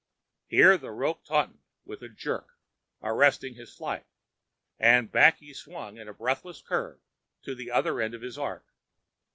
Here the rope tautened with a jerk, arresting his flight, and back he swung in a breathless curve to the other end of his arc.